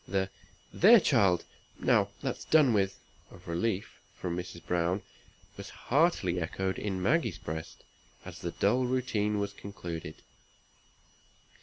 The "There! child; now that's done with," of relief, from Mrs. Browne, was heartily echoed in Maggie's breast, as the dull routine was concluded.